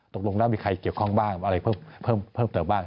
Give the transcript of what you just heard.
ตกลงแล้วมีใครเกี่ยวข้องบ้างอะไรเพิ่มเติมบ้าง